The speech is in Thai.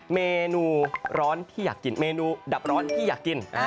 เมนูร้อนที่อยากกินเมนูดับร้อนพี่อยากกิน